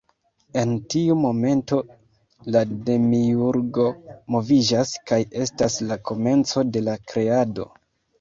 En tiu momento la Demiurgo moviĝas kaj estas la komenco de la Kreado.